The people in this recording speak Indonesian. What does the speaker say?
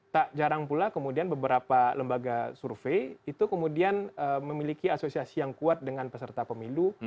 tak jarang pula kemudian beberapa lembaga survei itu kemudian memiliki asosiasi yang kuat dengan peserta pemilu